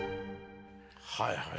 はいはい。